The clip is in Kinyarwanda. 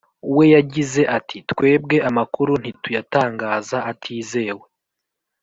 we yagize ati twebwe amakuru ntituyatangaza atizewe